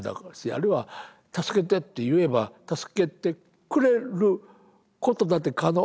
あるいは助けてって言えば助けてくれることだって可能。